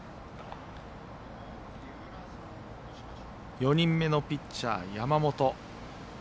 ４人目のピッチャー、山本。